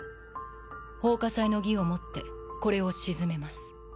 奉火祭の儀をもってこれを鎮めます。